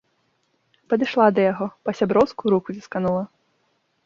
Падышла да яго, па-сяброўску руку цісканула.